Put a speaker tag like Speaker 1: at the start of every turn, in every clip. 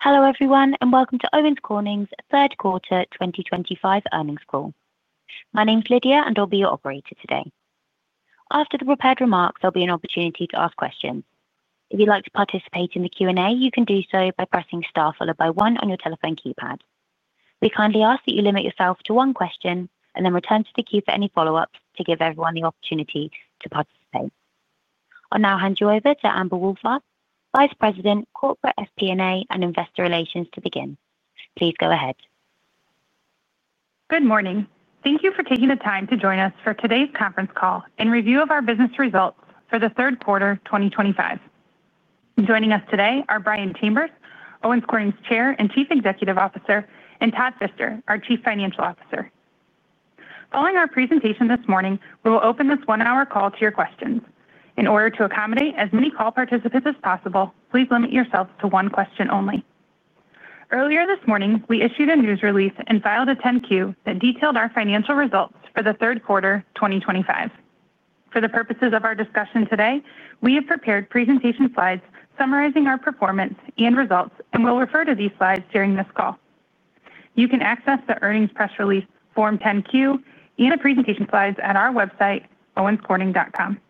Speaker 1: Hello everyone, and welcome to Owens Corning's third quarter 2025 earnings call. My name's Lydia, and I'll be your operator today. After the prepared remarks, there'll be an opportunity to ask questions. If you'd like to participate in the Q&A, you can do so by pressing star followed by one on your telephone keypad. We kindly ask that you limit yourself to one question and then return to the queue for any follow-ups to give everyone the opportunity to participate. I'll now hand you over to Amber Wohlfarth, Vice President, Corporate SP&A and Investor Relations, to begin. Please go ahead.
Speaker 2: Good morning. Thank you for taking the time to join us for today's conference call and review of our business results for the third quarter 2025. Joining us today are Brian Chambers, Owens Corning's Chair and Chief Executive Officer, and Todd Fister, our Chief Financial Officer. Following our presentation this morning, we will open this one-hour call to your questions. In order to accommodate as many call participants as possible, please limit yourself to one question only. Earlier this morning, we issued a news release and filed a 10-Q that detailed our financial results for the third quarter 2025. For the purposes of our discussion today, we have prepared presentation slides summarizing our performance and results, and we'll refer to these slides during this call. You can access the earnings press release, Form 10-Q, and presentation slides at our website, owenscorning.com.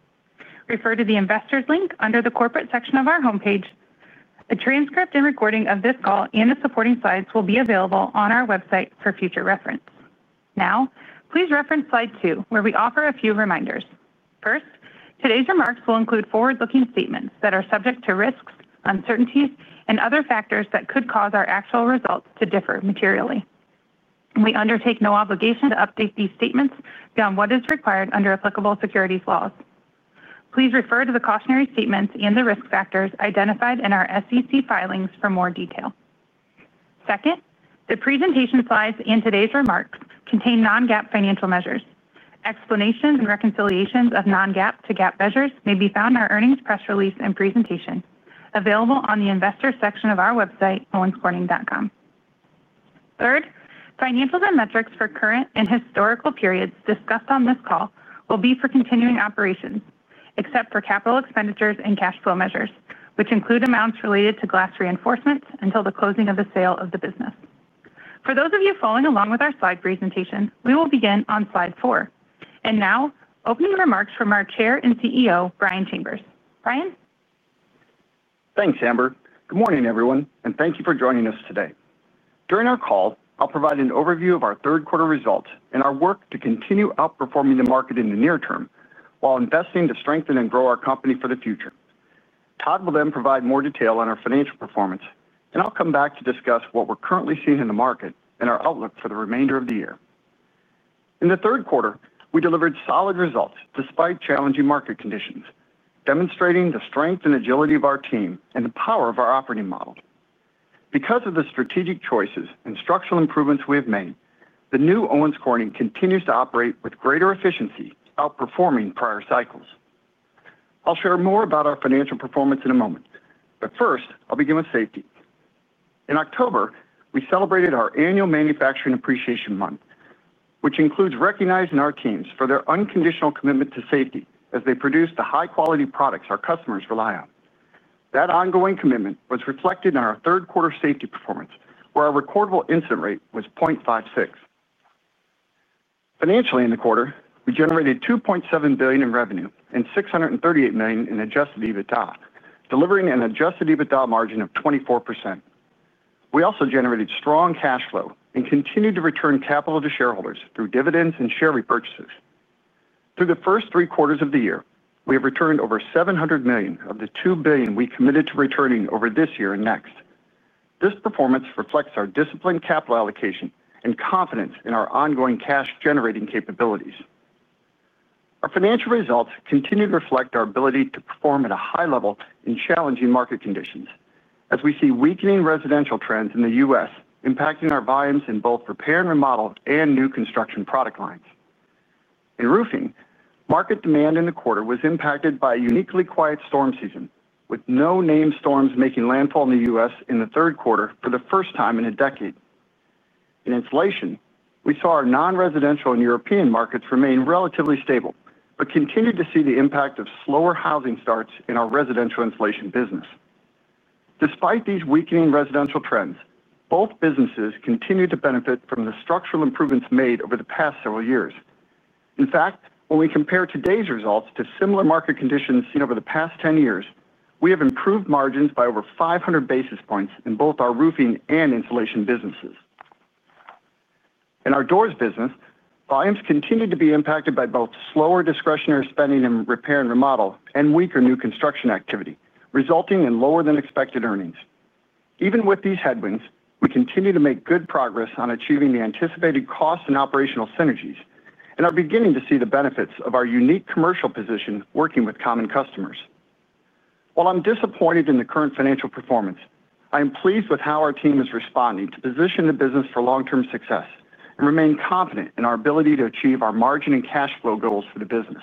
Speaker 2: Refer to the investors link under the corporate section of our homepage. A transcript and recording of this call and the supporting slides will be available on our website for future reference. Now, please reference slide two, where we offer a few reminders. First, today's remarks will include forward-looking statements that are subject to risks, uncertainties, and other factors that could cause our actual results to differ materially. We undertake no obligation to update these statements beyond what is required under applicable securities laws. Please refer to the cautionary statements and the risk factors identified in our SEC filings for more detail. Second, the presentation slides and today's remarks contain non-GAAP financial measures. Explanations and reconciliations of non-GAAP to GAAP measures may be found in our earnings press release and presentation available on the investors section of our website, owenscorning.com. Third, financials and metrics for current and historical periods discussed on this call will be for continuing operations, except for capital expenditures and cash flow measures, which include amounts related to glass reinforcements until the closing of the sale of the business. For those of you following along with our slide presentation, we will begin on slide four. Now, opening remarks from our Chair and CEO, Brian Chambers. Brian?
Speaker 3: Thanks, Amber. Good morning, everyone, and thank you for joining us today. During our call, I'll provide an overview of our third quarter results and our work to continue outperforming the market in the near term while investing to strengthen and grow our company for the future. Todd will then provide more detail on our financial performance, and I'll come back to discuss what we're currently seeing in the market and our outlook for the remainder of the year. In the third quarter, we delivered solid results despite challenging market conditions, demonstrating the strength and agility of our team and the power of our operating model. Because of the strategic choices and structural improvements we have made, the new Owens Corning continues to operate with greater efficiency, outperforming prior cycles. I'll share more about our financial performance in a moment, but first, I'll begin with safety. In October, we celebrated our annual manufacturing appreciation month, which includes recognizing our teams for their unconditional commitment to safety as they produce the high-quality products our customers rely on. That ongoing commitment was reflected in our third quarter safety performance, where our recordable incident rate was 0.56. Financially, in the quarter, we generated $2.7 billion in revenue and $638 million in adjusted EBITDA, delivering an adjusted EBITDA margin of 24%. We also generated strong cash flow and continued to return capital to shareholders through dividends and share repurchases. Through the first three quarters of the year, we have returned over $700 million of the $2 billion we committed to returning over this year and next. This performance reflects our disciplined capital allocation and confidence in our ongoing cash-generating capabilities. Our financial results continue to reflect our ability to perform at a high level in challenging market conditions, as we see weakening residential trends in the U.S. impacting our volumes in both repair and remodel and new construction product lines. In roofing, market demand in the quarter was impacted by a uniquely quiet storm season, with no named storms making landfall in the U.S. in the third quarter for the first time in a decade. In insulation, we saw our non-residential and European markets remain relatively stable but continued to see the impact of slower housing starts in our residential insulation business. Despite these weakening residential trends, both businesses continue to benefit from the structural improvements made over the past several years. In fact, when we compare today's results to similar market conditions seen over the past 10 years, we have improved margins by over 500 basis points in both our roofing and insulation businesses. In our doors business, volumes continue to be impacted by both slower discretionary spending in repair and remodel and weaker new construction activity, resulting in lower-than-expected earnings. Even with these headwinds, we continue to make good progress on achieving the anticipated cost and operational synergies, and are beginning to see the benefits of our unique commercial position working with common customers. While I'm disappointed in the current financial performance, I am pleased with how our team is responding to position the business for long-term success and remain confident in our ability to achieve our margin and cash flow goals for the business.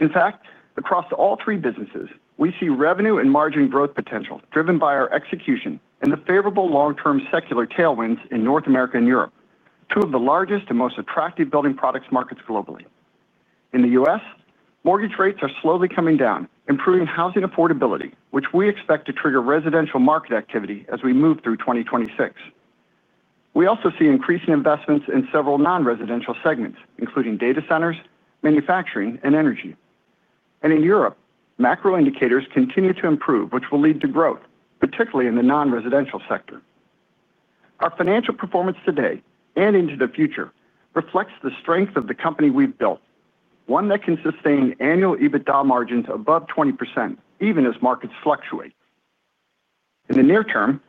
Speaker 3: In fact, across all three businesses, we see revenue and margin growth potential driven by our execution and the favorable long-term secular tailwinds in North America and Europe, two of the largest and most attractive building products markets globally. In the U.S., mortgage rates are slowly coming down, improving housing affordability, which we expect to trigger residential market activity as we move through 2026. We also see increasing investments in several non-residential segments, including data centers, manufacturing, and energy. In Europe, macro indicators continue to improve, which will lead to growth, particularly in the non-residential sector. Our financial performance today and into the future reflects the strength of the company we've built, one that can sustain annual EBITDA margins above 20% even as markets fluctuate. In the near term,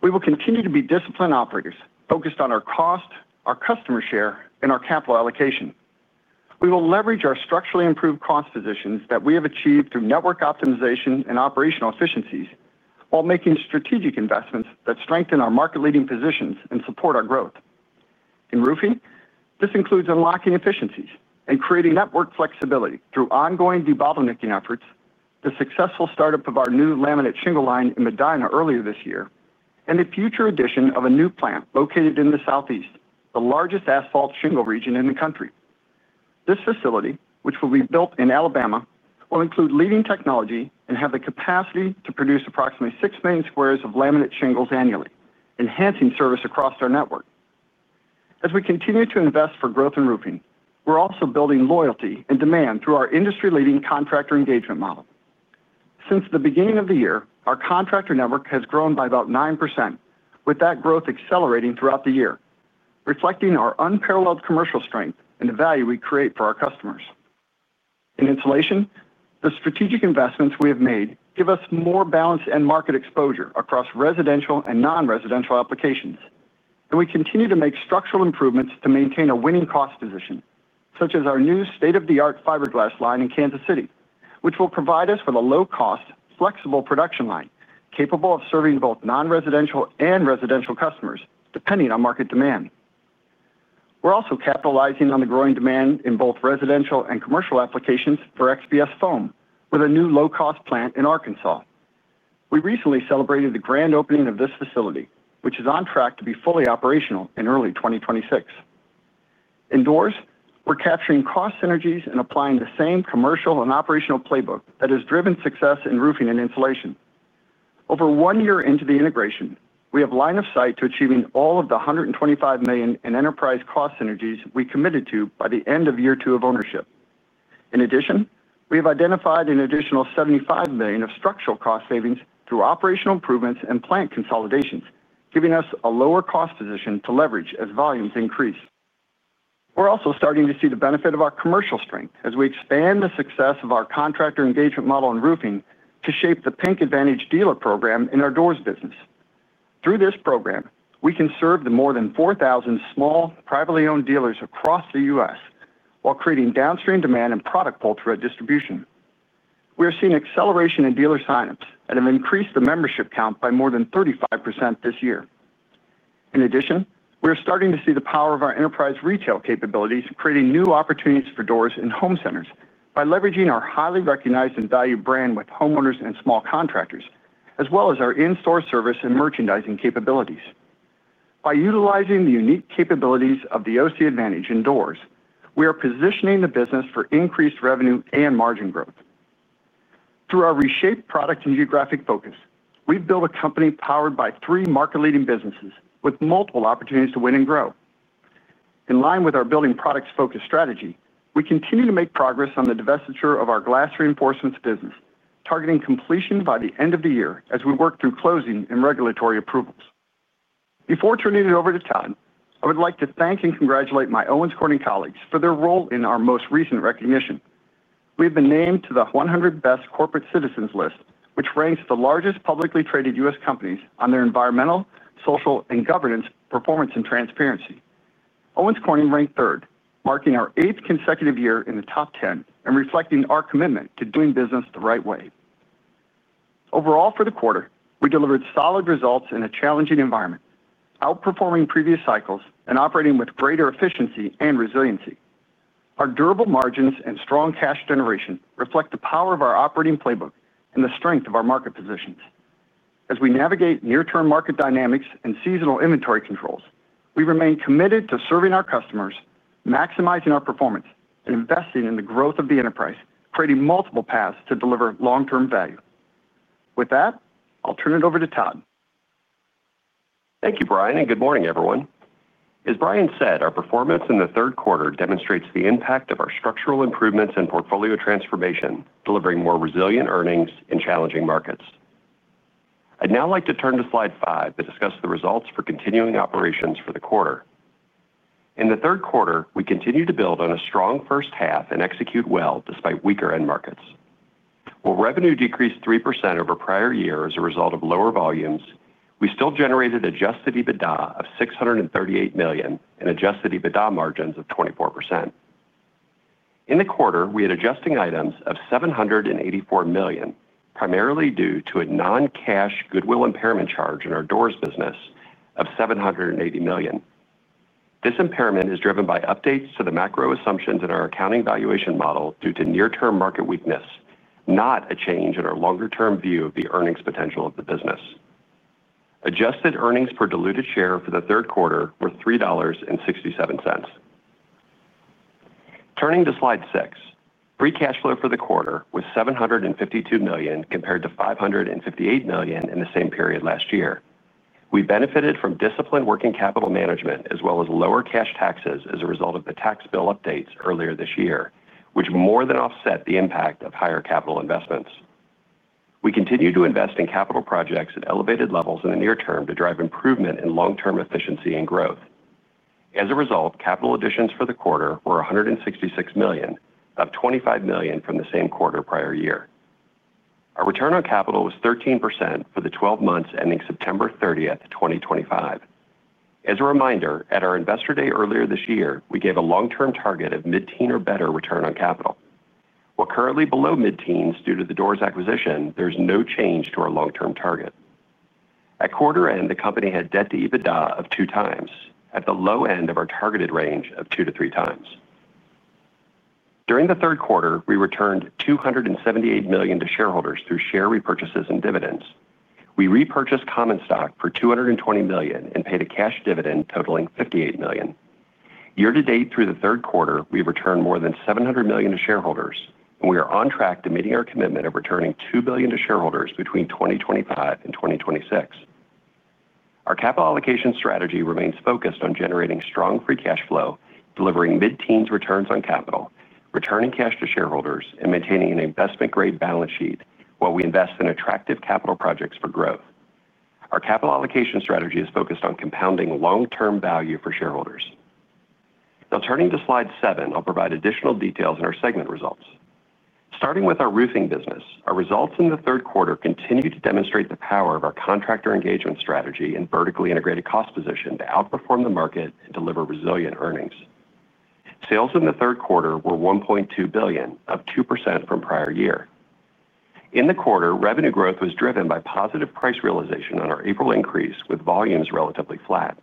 Speaker 3: we will continue to be disciplined operators, focused on our cost, our customer share, and our capital allocation. We will leverage our structurally improved cost positions that we have achieved through network optimization and operational efficiencies while making strategic investments that strengthen our market-leading positions and support our growth. In roofing, this includes unlocking efficiencies and creating network flexibility through ongoing debottlenecking efforts, the successful startup of our new laminate shingle line in Medina earlier this year, and the future addition of a new plant located in the Southeast, the largest asphalt shingle region in the country. This facility, which will be built in Alabama, will include leading technology and have the capacity to produce approximately 6 million squares of laminate shingles annually, enhancing service across our network. As we continue to invest for growth in roofing, we're also building loyalty and demand through our industry-leading contractor engagement model. Since the beginning of the year, our contractor network has grown by about 9%, with that growth accelerating throughout the year, reflecting our unparalleled commercial strength and the value we create for our customers. In insulation, the strategic investments we have made give us more balanced end-market exposure across residential and non-residential applications, and we continue to make structural improvements to maintain a winning cost position, such as our new state-of-the-art fiberglass line in Kansas City, which will provide us with a low-cost, flexible production line capable of serving both non-residential and residential customers, depending on market demand. We're also capitalizing on the growing demand in both residential and commercial applications for XPS Foam with a new low-cost plant in Arkansas. We recently celebrated the grand opening of this facility, which is on track to be fully operational in early 2026. Indoors, we're capturing cost synergies and applying the same commercial and operational playbook that has driven success in roofing and insulation. Over one year into the integration, we have line of sight to achieving all of the $125 million in enterprise cost synergies we committed to by the end of year two of ownership. In addition, we have identified an additional $75 million of structural cost savings through operational improvements and plant consolidations, giving us a lower cost position to leverage as volumes increase. We're also starting to see the benefit of our commercial strength as we expand the success of our contractor engagement model in roofing to shape the Pink Advantage Dealer Program in our doors business. Through this program, we can serve the more than 4,000 small, privately owned dealers across the U.S. while creating downstream demand and product pull-through at distribution. We are seeing acceleration in dealer sign-ups and have increased the membership count by more than 35% this year. In addition, we are starting to see the power of our enterprise retail capabilities creating new opportunities for doors and home centers by leveraging our highly recognized and valued brand with homeowners and small contractors, as well as our in-store service and merchandising capabilities. By utilizing the unique capabilities of the OC Advantage in doors, we are positioning the business for increased revenue and margin growth. Through our reshaped product and geographic focus, we've built a company powered by three market-leading businesses with multiple opportunities to win and grow. In line with our building products-focused strategy, we continue to make progress on the divestiture of our glass reinforcements business, targeting completion by the end of the year as we work through closing and regulatory approvals. Before turning it over to Todd, I would like to thank and congratulate my Owens Corning colleagues for their role in our most recent recognition. We have been named to the 100 Best Corporate Citizens list, which ranks the largest publicly traded U.S. companies on their environmental, social, and governance performance and transparency. Owens Corning ranked third, marking our eighth consecutive year in the top 10 and reflecting our commitment to doing business the right way. Overall, for the quarter, we delivered solid results in a challenging environment, outperforming previous cycles and operating with greater efficiency and resiliency. Our durable margins and strong cash generation reflect the power of our operating playbook and the strength of our market positions. As we navigate near-term market dynamics and seasonal inventory controls, we remain committed to serving our customers, maximizing our performance, and investing in the growth of the enterprise, creating multiple paths to deliver long-term value. With that, I'll turn it over to Todd.
Speaker 4: Thank you, Brian, and good morning, everyone. As Brian said, our performance in the third quarter demonstrates the impact of our structural improvements and portfolio transformation, delivering more resilient earnings in challenging markets. I'd now like to turn to slide five to discuss the results for continuing operations for the quarter. In the third quarter, we continued to build on a strong first half and execute well despite weaker end markets. While revenue decreased 3% over prior years as a result of lower volumes, we still generated adjusted EBITDA of $638 million and adjusted EBITDA margins of 24%. In the quarter, we had adjusting items of $784 million, primarily due to a non-cash goodwill impairment charge in our doors business of $780 million. This impairment is driven by updates to the macro assumptions in our accounting valuation model due to near-term market weakness, not a change in our longer-term view of the earnings potential of the business. Adjusted earnings per diluted share for the third quarter were $3.67. Turning to slide six, free cash flow for the quarter was $752 million compared to $558 million in the same period last year. We benefited from disciplined working capital management as well as lower cash taxes as a result of the tax bill updates earlier this year, which more than offset the impact of higher capital investments. We continue to invest in capital projects at elevated levels in the near term to drive improvement in long-term efficiency and growth. As a result, capital additions for the quarter were $166 million, up $25 million from the same quarter prior year. Our return on capital was 13% for the 12 months ending September 30th, 2025. As a reminder, at our Investor Day earlier this year, we gave a long-term target of mid-teen or better return on capital. While currently below mid-teens due to the doors acquisition, there's no change to our long-term target. At quarter end, the company had debt-to-EBITDA of 2 times at the low end of our targeted range of 2-3 times. During the third quarter, we returned $278 million to shareholders through share repurchases and dividends. We repurchased common stock for $220 million and paid a cash dividend totaling $58 million. Year-to-date, through the third quarter, we've returned more than $700 million to shareholders, and we are on track to meeting our commitment of returning $2 billion to shareholders between 2025 and 2026. Our capital allocation strategy remains focused on generating strong free cash flow, delivering mid-teens returns on capital, returning cash to shareholders, and maintaining an investment-grade balance sheet while we invest in attractive capital projects for growth. Our capital allocation strategy is focused on compounding long-term value for shareholders. Now, turning to slide seven, I'll provide additional details in our segment results. Starting with our roofing business, our results in the third quarter continue to demonstrate the power of our contractor engagement strategy and vertically integrated cost position to outperform the market and deliver resilient earnings. Sales in the third quarter were $1.2 billion, up 2% from prior year. In the quarter, revenue growth was driven by positive price realization on our April increase, with volumes relatively flat.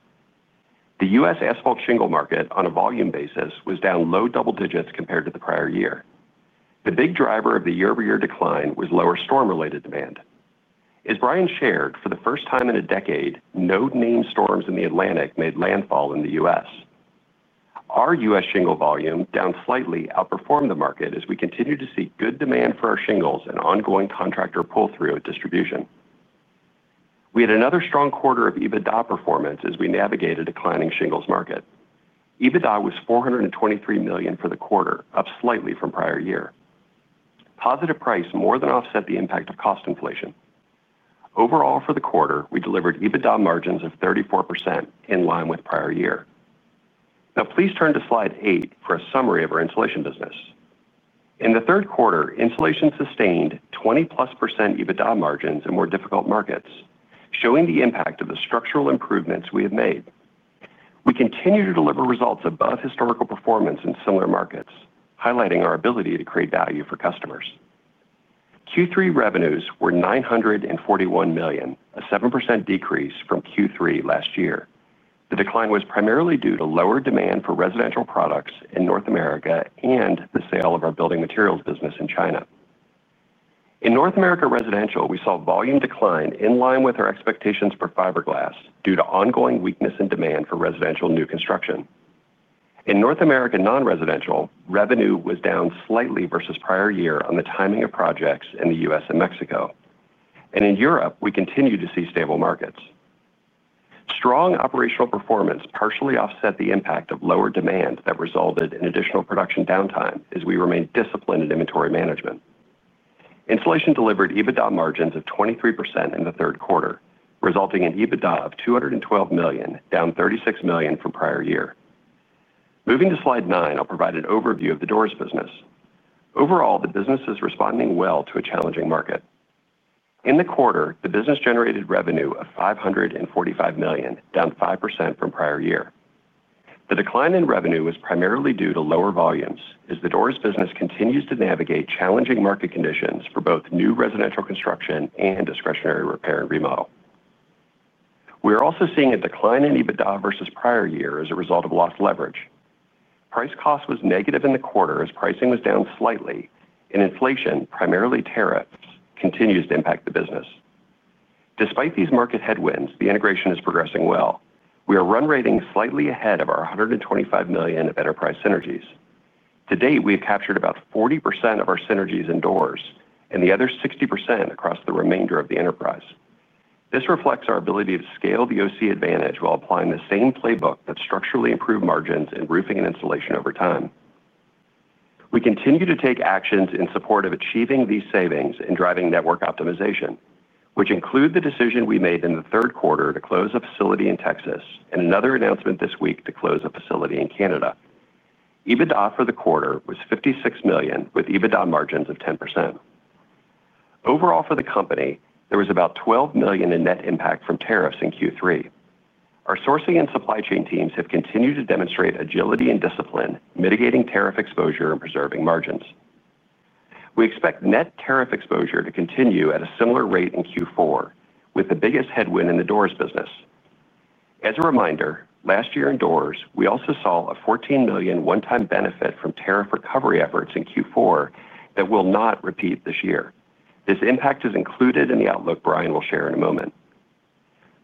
Speaker 4: The U.S. asphalt shingle market, on a volume basis, was down low double digits compared to the prior year. The big driver of the year-over-year decline was lower storm-related demand. As Brian shared, for the first time in a decade, no named storms in the Atlantic made landfall in the U.S. Our U.S. shingle volume, down slightly, outperformed the market as we continued to see good demand for our shingles and ongoing contractor pull-through at distribution. We had another strong quarter of EBITDA performance as we navigated a declining shingles market. EBITDA was $423 million for the quarter, up slightly from prior year. Positive price more than offset the impact of cost inflation. Overall, for the quarter, we delivered EBITDA margins of 34% in line with prior year. Now, please turn to slide eight for a summary of our insulation business. In the third quarter, insulation sustained 20%+ EBITDA margins in more difficult markets, showing the impact of the structural improvements we have made. We continue to deliver results above historical performance in similar markets, highlighting our ability to create value for customers. Q3 revenues were $941 million, a 7% decrease from Q3 last year. The decline was primarily due to lower demand for residential products in North America and the sale of our building materials business in China. In North America residential, we saw volume decline in line with our expectations for fiberglass due to ongoing weakness in demand for residential new construction. In North America non-residential, revenue was down slightly versus prior year on the timing of projects in the U.S. and Mexico. In Europe, we continue to see stable markets. Strong operational performance partially offset the impact of lower demand that resulted in additional production downtime as we remained disciplined in inventory management. Insulation delivered EBITDA margins of 23% in the third quarter, resulting in EBITDA of $212 million, down $36 million from prior year. Moving to slide nine, I'll provide an overview of the doors business. Overall, the business is responding well to a challenging market. In the quarter, the business generated revenue of $545 million, down 5% from prior year. The decline in revenue was primarily due to lower volumes as the doors business continues to navigate challenging market conditions for both new residential construction and discretionary repair and remodel. We are also seeing a decline in EBITDA versus prior year as a result of lost leverage. Price cost was negative in the quarter as pricing was down slightly, and inflation, primarily tariffs, continues to impact the business. Despite these market headwinds, the integration is progressing well. We are run rating slightly ahead of our $125 million of enterprise synergies. To date, we have captured about 40% of our synergies in doors and the other 60% across the remainder of the enterprise. This reflects our ability to scale the OC Advantage while applying the same playbook that structurally improved margins in roofing and insulation over time. We continue to take actions in support of achieving these savings and driving network optimization, which include the decision we made in the third quarter to close a facility in Texas and another announcement this week to close a facility in Canada. EBITDA for the quarter was $56 million, with EBITDA margins of 10%. Overall, for the company, there was about $12 million in net impact from tariffs in Q3. Our sourcing and supply chain teams have continued to demonstrate agility and discipline, mitigating tariff exposure and preserving margins. We expect net tariff exposure to continue at a similar rate in Q4, with the biggest headwind in the doors business. As a reminder, last year in doors, we also saw a $14 million one-time benefit from tariff recovery efforts in Q4 that will not repeat this year. This impact is included in the outlook Brian will share in a moment.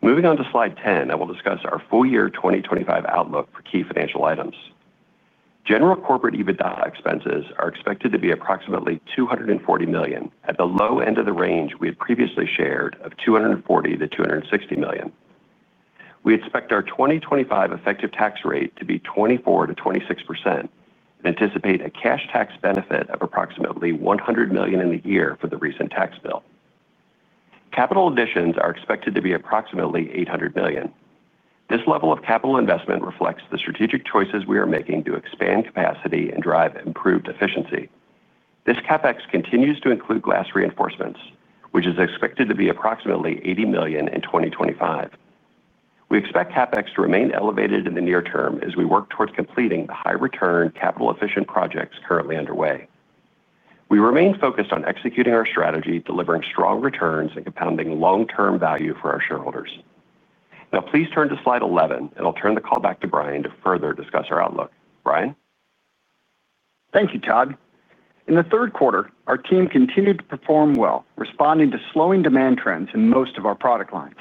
Speaker 4: Moving on to slide 10, I will discuss our full year 2025 outlook for key financial items. General corporate EBITDA expenses are expected to be approximately $240 million at the low end of the range we had previously shared of $240 million-$260 million. We expect our 2025 effective tax rate to be 24%-26% and anticipate a cash tax benefit of approximately $100 million in the year for the recent tax bill. Capital additions are expected to be approximately $800 million. This level of capital investment reflects the strategic choices we are making to expand capacity and drive improved efficiency. This CapEx continues to include glass reinforcements, which is expected to be approximately $80 million in 2025. We expect CapEx to remain elevated in the near term as we work towards completing the high-return, capital-efficient projects currently underway. We remain focused on executing our strategy, delivering strong returns, and compounding long-term value for our shareholders. Now, please turn to slide 11, and I'll turn the call back to Brian to further discuss our outlook. Brian.
Speaker 3: Thank you, Todd. In the third quarter, our team continued to perform well, responding to slowing demand trends in most of our product lines.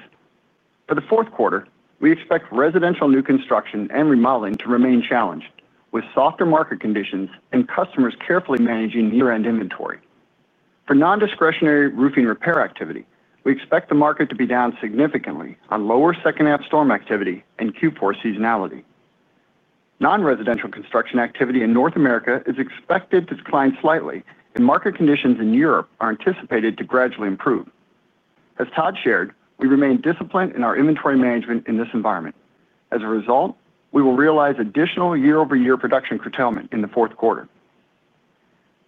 Speaker 3: For the fourth quarter, we expect residential new construction and remodeling to remain challenged, with softer market conditions and customers carefully managing near-end inventory. For non-discretionary roofing repair activity, we expect the market to be down significantly on lower second-act storm activity and Q4 seasonality. Non-residential construction activity in North America is expected to decline slightly, and market conditions in Europe are anticipated to gradually improve. As Todd shared, we remain disciplined in our inventory management in this environment. As a result, we will realize additional year-over-year production curtailment in the fourth quarter.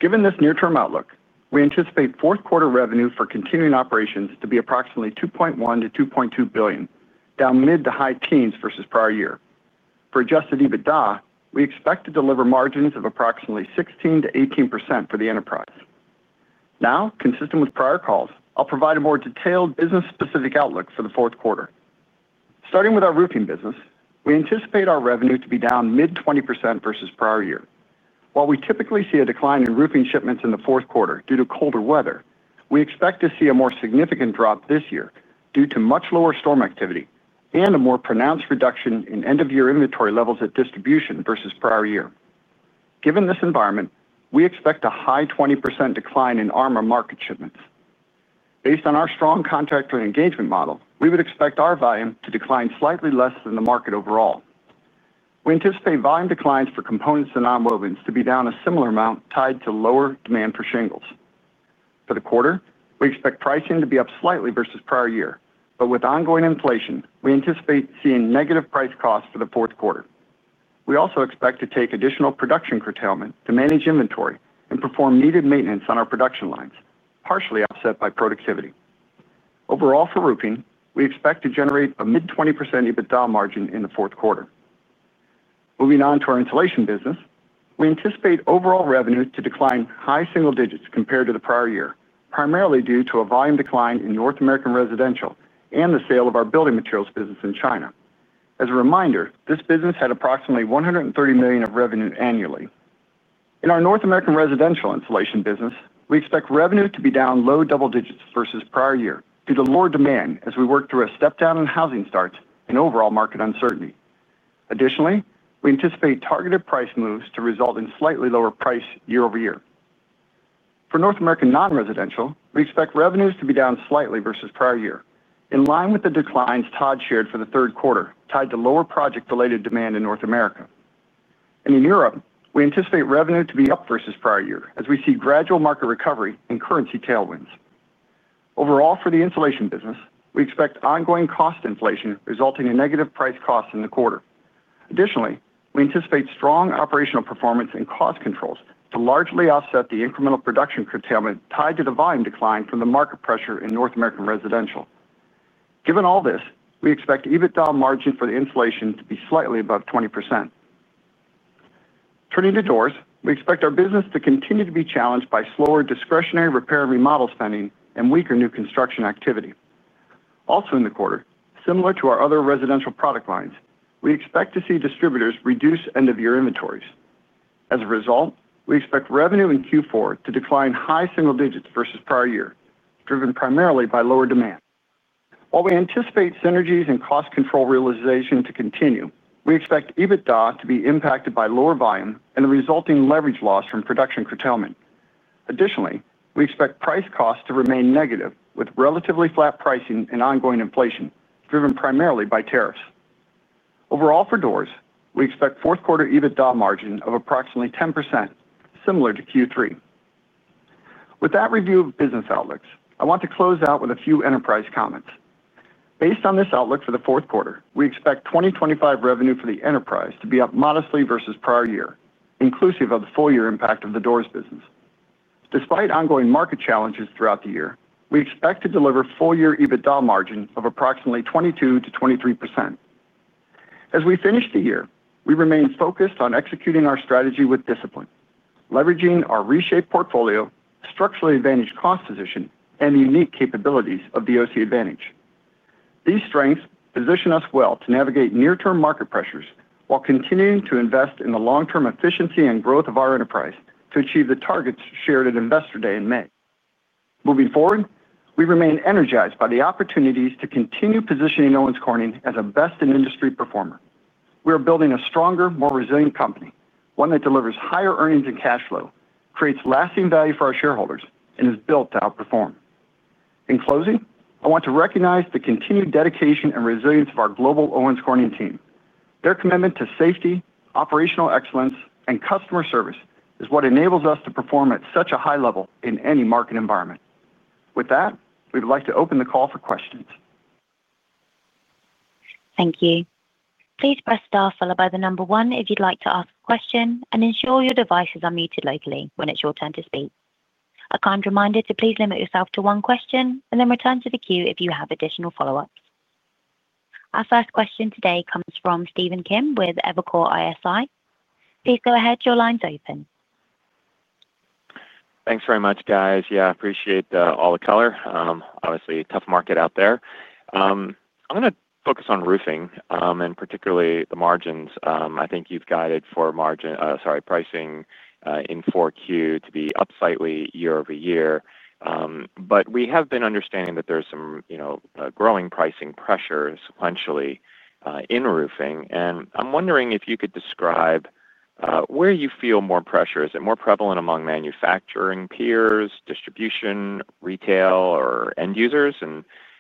Speaker 3: Given this near-term outlook, we anticipate fourth-quarter revenue for continuing operations to be approximately $2.1 billion-$2.2 billion, down mid to high teens versus prior year. For adjusted EBITDA, we expect to deliver margins of approximately 16%-18% for the enterprise. Now, consistent with prior calls, I'll provide a more detailed business-specific outlook for the fourth quarter. Starting with our roofing business, we anticipate our revenue to be down mid-20% versus prior year. While we typically see a decline in roofing shipments in the fourth quarter due to colder weather, we expect to see a more significant drop this year due to much lower storm activity and a more pronounced reduction in end-of-year inventory levels at distribution versus prior year. Given this environment, we expect a high-20% decline in our market shipments. Based on our strong contractor engagement model, we would expect our volume to decline slightly less than the market overall. We anticipate volume declines for components and non-wovens to be down a similar amount tied to lower demand for shingles. For the quarter, we expect pricing to be up slightly versus prior year, but with ongoing inflation, we anticipate seeing negative price costs for the fourth quarter. We also expect to take additional production curtailment to manage inventory and perform needed maintenance on our production lines, partially offset by productivity. Overall, for roofing, we expect to generate a mid-20% EBITDA margin in the fourth quarter. Moving on to our insulation business, we anticipate overall revenue to decline high single digits compared to the prior year, primarily due to a volume decline in North American residential and the sale of our building materials business in China. As a reminder, this business had approximately $130 million of revenue annually. In our North American residential insulation business, we expect revenue to be down low double digits versus prior year due to lower demand as we work through a step-down in housing starts and overall market uncertainty. Additionally, we anticipate targeted price moves to result in slightly lower price year-over-year. For North American non-residential, we expect revenues to be down slightly versus prior year, in line with the declines Todd shared for the third quarter tied to lower project-related demand in North America. In Europe, we anticipate revenue to be up versus prior year as we see gradual market recovery and currency tailwinds. Overall, for the insulation business, we expect ongoing cost inflation resulting in negative price costs in the quarter. Additionally, we anticipate strong operational performance and cost controls to largely offset the incremental production curtailment tied to the volume decline from the market pressure in North American residential. Given all this, we expect EBITDA margin for the insulation to be slightly above 20%. Turning to doors, we expect our business to continue to be challenged by slower discretionary repair and remodel spending and weaker new construction activity. Also, in the quarter, similar to our other residential product lines, we expect to see distributors reduce end-of-year inventories. As a result, we expect revenue in Q4 to decline high single digits versus prior year, driven primarily by lower demand. While we anticipate synergies and cost control realization to continue, we expect EBITDA to be impacted by lower volume and the resulting leverage loss from production curtailment. Additionally, we expect price costs to remain negative with relatively flat pricing and ongoing inflation, driven primarily by tariffs. Overall, for doors, we expect fourth quarter EBITDA margin of approximately 10%, similar to Q3. With that review of business outlooks, I want to close out with a few enterprise comments. Based on this outlook for the fourth quarter, we expect 2025 revenue for the enterprise to be up modestly versus prior year, inclusive of the full-year impact of the doors business. Despite ongoing market challenges throughout the year, we expect to deliver full-year EBITDA margin of approximately 22%-23%. As we finish the year, we remain focused on executing our strategy with discipline, leveraging our reshaped portfolio, structurally advantaged cost position, and the unique capabilities of the OC Advantage. These strengths position us well to navigate near-term market pressures while continuing to invest in the long-term efficiency and growth of our enterprise to achieve the targets shared at investor day in May. Moving forward, we remain energized by the opportunities to continue positioning Owens Corning as a best-in-industry performer. We are building a stronger, more resilient company, one that delivers higher earnings and cash flow, creates lasting value for our shareholders, and is built to outperform. In closing, I want to recognize the continued dedication and resilience of our global Owens Corning team. Their commitment to safety, operational excellence, and customer service is what enables us to perform at such a high level in any market environment. With that, we would like to open the call for questions.
Speaker 1: Thank you. Please press star followed by the number one if you'd like to ask a question, and ensure your devices are muted locally when it's your turn to speak. A kind reminder to please limit yourself to one question and then return to the queue if you have additional follow-ups. Our first question today comes from Stephen Kim with Evercore ISI. Please go ahead. Your line's open.
Speaker 5: Thanks very much, guys. Yeah, I appreciate all the color. Obviously, tough market out there. I'm going to focus on roofing and particularly the margins. I think you've guided for margin, sorry, pricing in Q4 to be up slightly year-over-year. But we have been understanding that there's some growing pricing pressure sequentially in roofing. I'm wondering if you could describe where you feel more pressure. Is it more prevalent among manufacturing peers, distribution, retail, or end users?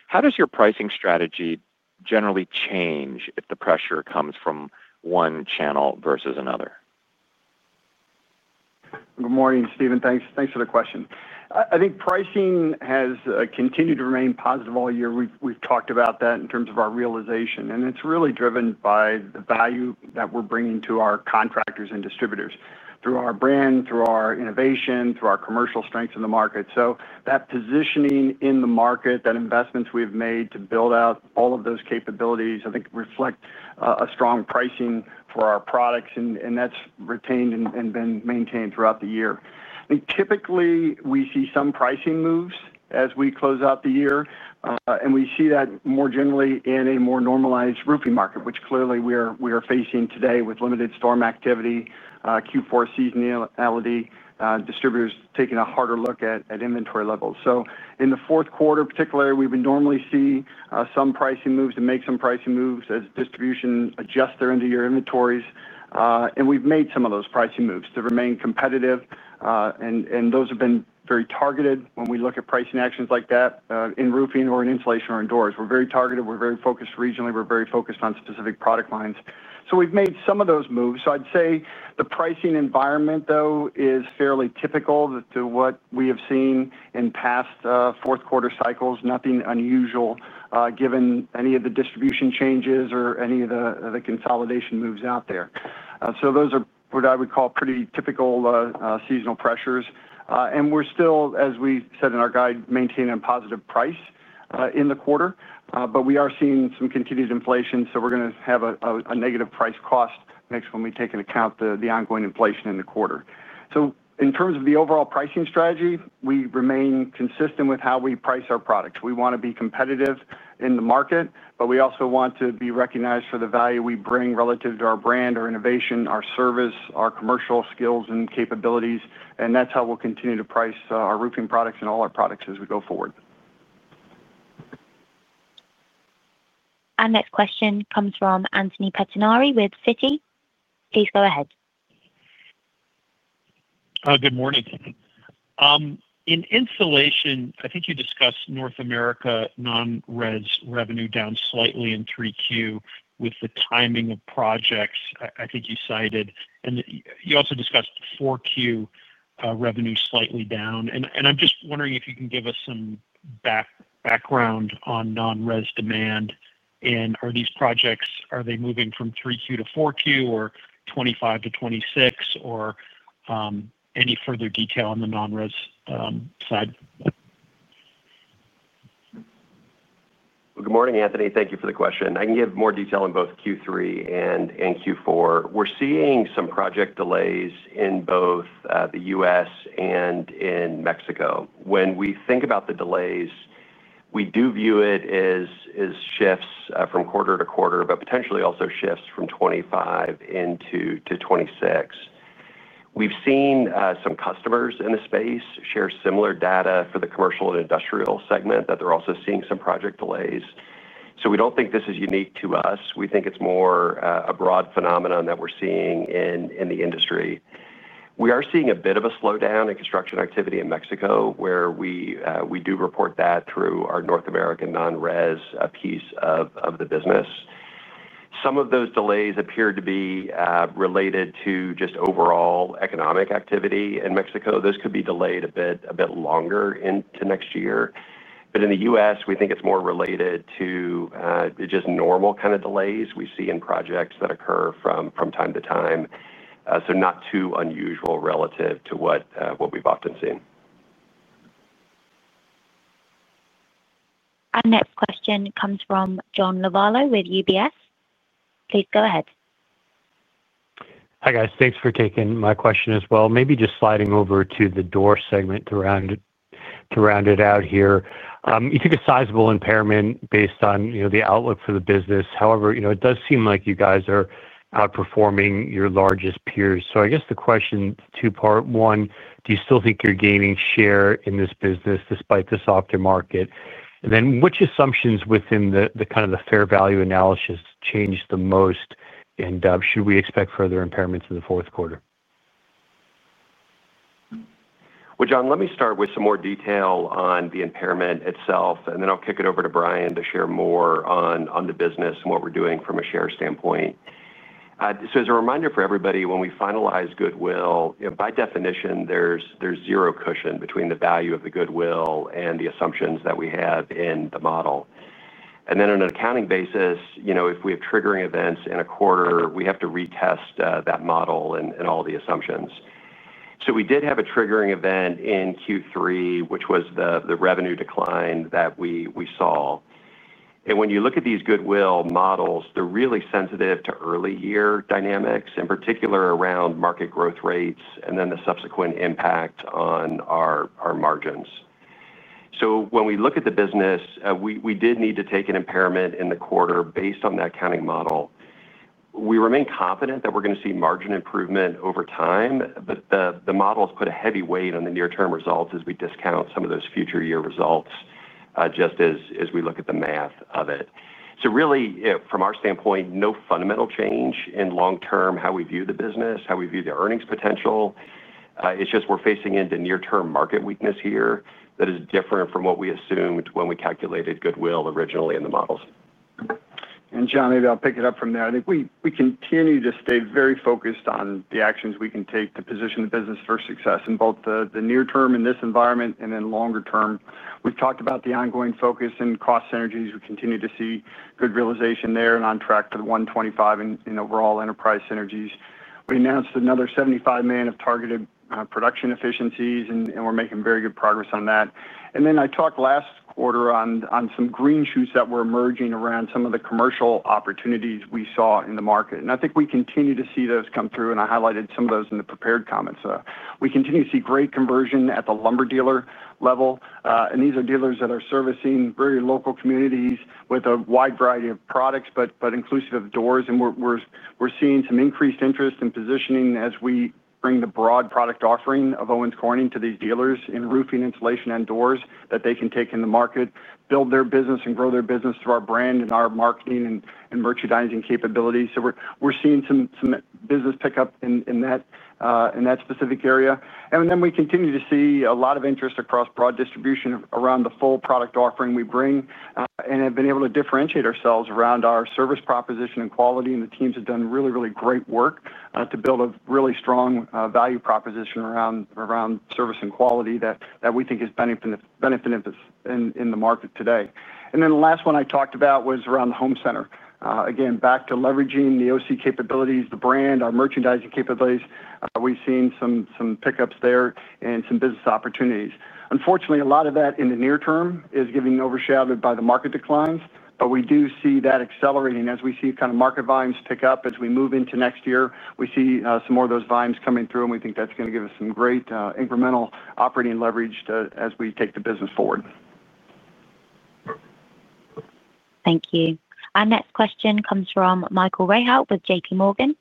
Speaker 5: How does your pricing strategy generally change if the pressure comes from one channel versus another?
Speaker 3: Good morning, Stephen. Thanks for the question. I think pricing has continued to remain positive all year. We've talked about that in terms of our realization, and it's really driven by the value that we're bringing to our contractors and distributors through our brand, through our innovation, through our commercial strengths in the market. That positioning in the market, the investments we've made to build out all of those capabilities, I think reflect a strong pricing for our products, and that's retained and been maintained throughout the year. I think typically we see some pricing moves as we close out the year, and we see that more generally in a more normalized roofing market, which clearly we are facing today with limited storm activity, Q4 seasonality, distributors taking a harder look at inventory levels. In the fourth quarter, particularly, we would normally see some pricing moves and make some pricing moves as distribution adjusts their end-of-year inventories. We have made some of those pricing moves to remain competitive. Those have been very targeted when we look at pricing actions like that in roofing or in insulation or in doors. We are very targeted. We are very focused regionally. We are very focused on specific product lines. We have made some of those moves. I would say the pricing environment, though, is fairly typical to what we have seen in past fourth-quarter cycles, nothing unusual given any of the distribution changes or any of the consolidation moves out there. Those are what I would call pretty typical seasonal pressures. We're still, as we said in our guide, maintaining a positive price in the quarter, but we are seeing some continued inflation, so we're going to have a negative price cost next when we take into account the ongoing inflation in the quarter. In terms of the overall pricing strategy, we remain consistent with how we price our products. We want to be competitive in the market, but we also want to be recognized for the value we bring relative to our brand, our innovation, our service, our commercial skills and capabilities, and that's how we'll continue to price our roofing products and all our products as we go forward.
Speaker 1: Our next question comes from Anthony Pettinari with Citi. Please go ahead.
Speaker 6: Good morning. In insulation, I think you discussed North America non-Res revenue down slightly in Q3 with the timing of projects, I think you cited. You also discussed Q4 revenue slightly down. I'm just wondering if you can give us some background on non-Res demand. Are these projects, are they moving from Q3 to Q4 or 2025 to 2026 or any further detail on the non-Res side?
Speaker 4: Good morning, Anthony. Thank you for the question. I can give more detail on both Q3 and Q4. We're seeing some project delays in both the U.S. and in Mexico. When we think about the delays, we do view it as shifts from quarter to quarter, but potentially also shifts from 2025 into 2026. We've seen some customers in the space share similar data for the commercial and industrial segment that they're also seeing some project delays. We don't think this is unique to us. We think it's more a broad phenomenon that we're seeing in the industry. We are seeing a bit of a slowdown in construction activity in Mexico, where we do report that through our North American non-Res piece of the business. Some of those delays appear to be related to just overall economic activity in Mexico. Those could be delayed a bit longer into next year. In the U.S., we think it's more related to just normal kind of delays we see in projects that occur from time to time. Not too unusual relative to what we've often seen.
Speaker 1: Our next question comes from John Lovallo with UBS. Please go ahead.
Speaker 7: Hi guys. Thanks for taking my question as well. Maybe just sliding over to the doors segment to round it out here. You took a sizable impairment based on the outlook for the business. However, it does seem like you guys are outperforming your largest peers. I guess the question is two-part. One, do you still think you're gaining share in this business despite the softer market? Which assumptions within the kind of the fair value analysis changed the most? Should we expect further impairments in the fourth quarter?
Speaker 4: John, let me start with some more detail on the impairment itself, and then I'll kick it over to Brian to share more on the business and what we're doing from a share standpoint. As a reminder for everybody, when we finalize goodwill, by definition, there's zero cushion between the value of the goodwill and the assumptions that we have in the model. On an accounting basis, if we have triggering events in a quarter, we have to retest that model and all the assumptions. We did have a triggering event in Q3, which was the revenue decline that we saw. When you look at these goodwill models, they're really sensitive to early year dynamics, in particular around market growth rates and then the subsequent impact on our margins. When we look at the business. We did need to take an impairment in the quarter based on that accounting model. We remain confident that we're going to see margin improvement over time, but the model has put a heavy weight on the near-term results as we discount some of those future year results just as we look at the math of it. From our standpoint, no fundamental change in long-term how we view the business, how we view the earnings potential. It's just we're facing into near-term market weakness here that is different from what we assumed when we calculated goodwill originally in the models.
Speaker 3: John, maybe I'll pick it up from there. I think we continue to stay very focused on the actions we can take to position the business for success in both the near term in this environment and in the longer term. We've talked about the ongoing focus and cost synergies. We continue to see good realization there and on track to the $125 million in overall enterprise synergies. We announced another $75 million of targeted production efficiencies, and we're making very good progress on that. I talked last quarter on some green shoots that were emerging around some of the commercial opportunities we saw in the market. I think we continue to see those come through, and I highlighted some of those in the prepared comments. We continue to see great conversion at the lumber dealer level. These are dealers that are servicing very local communities with a wide variety of products, but inclusive of doors. We are seeing some increased interest in positioning as we bring the broad product offering of Owens Corning to these dealers in roofing, insulation, and doors that they can take in the market, build their business, and grow their business through our brand and our marketing and merchandising capabilities. We are seeing some business pickup in that specific area. We continue to see a lot of interest across broad distribution around the full product offering we bring and have been able to differentiate ourselves around our service proposition and quality. The teams have done really, really great work to build a really strong value proposition around service and quality that we think is benefiting in the market today. The last one I talked about was around the home center. Again, back to leveraging the OC capabilities, the brand, our merchandising capabilities, we've seen some pickups there and some business opportunities. Unfortunately, a lot of that in the near term is getting overshadowed by the market declines, but we do see that accelerating as we see kind of market volumes pick up as we move into next year. We see some more of those volumes coming through, and we think that's going to give us some great incremental operating leverage as we take the business forward.
Speaker 1: Thank you. Our next question comes from Michael Rehaut with JPMorgan.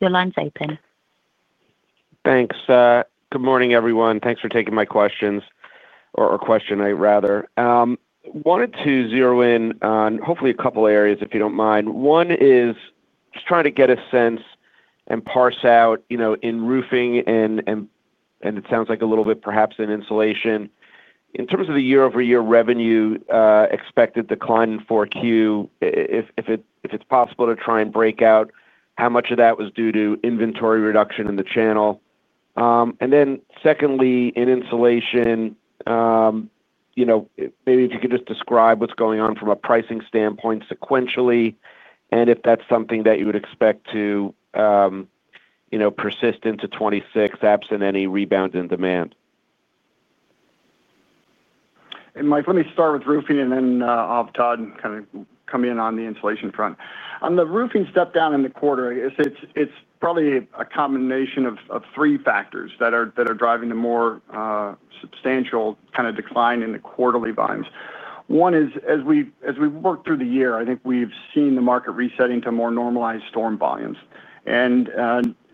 Speaker 1: Your line's open.
Speaker 8: Thanks. Good morning, everyone. Thanks for taking my questions, or question, I'd rather. I wanted to zero in on hopefully a couple of areas, if you do not mind. One is just trying to get a sense and parse out in roofing and. It sounds like a little bit perhaps in insulation. In terms of the year-over-year revenue, expected decline in Q4, if it is possible to try and break out how much of that was due to inventory reduction in the channel. And then secondly, in insulation. Maybe if you could just describe what is going on from a pricing standpoint sequentially and if that is something that you would expect to persist into 2026, absent any rebound in demand.
Speaker 3: Mike, let me start with roofing and then I'll kind of come in on the insulation front. On the roofing step down in the quarter, it's probably a combination of three factors that are driving the more substantial kind of decline in the quarterly volumes. One is, as we've worked through the year, I think we've seen the market resetting to more normalized storm volumes.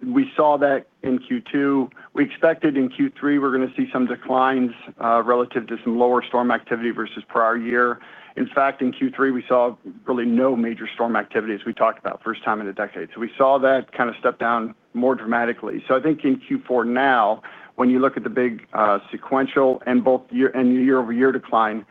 Speaker 3: We saw that in Q2. We expected in Q3 we were going to see some declines relative to some lower storm activity versus prior year. In fact, in Q3, we saw really no major storm activity as we talked about, first time in a decade. We saw that kind of step down more dramatically. I think in Q4 now, when you look at the big sequential and year-over-year decline,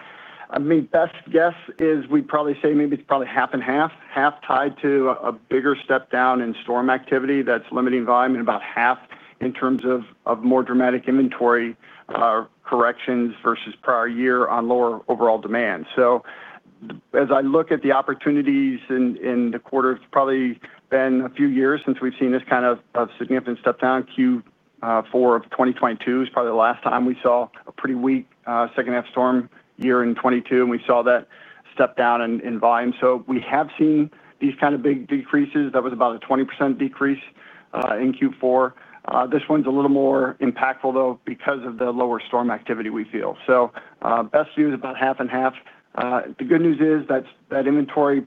Speaker 3: I mean, best guess is we'd probably say maybe it's probably half and half, half tied to a bigger step down in storm activity that's limiting volume and about half in terms of more dramatic inventory corrections versus prior year on lower overall demand. As I look at the opportunities in the quarter, it's probably been a few years since we've seen this kind of significant step down. Q4 of 2022 is probably the last time we saw a pretty weak second-half storm year in 2022, and we saw that step down in volume. We have seen these kind of big decreases. That was about a 20% decrease in Q4. This one's a little more impactful, though, because of the lower storm activity we feel. Best view is about half and half. The good news is that inventory